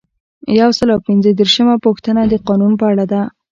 یو سل او پنځه دیرشمه پوښتنه د قانون په اړه ده.